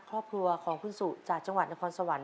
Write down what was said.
ครอบครัวของคุณสุจากจังหวัดนครสวรรค